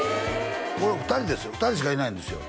これ２人ですよ